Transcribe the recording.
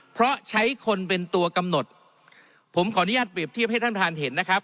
เพราะใช้คนเป็นตัวกำหนดผมขออนุญาตเปรียบเทียบให้ท่านท่านเห็นนะครับ